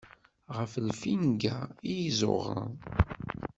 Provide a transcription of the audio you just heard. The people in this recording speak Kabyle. Ɣer lfinga iyi-ẓuɣṛen.